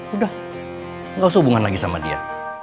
udah gak usah hubungan lagi sama dia